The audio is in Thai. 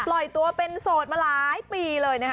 ปล่อยตัวเป็นโสดมาหลายปีเลยนะคะ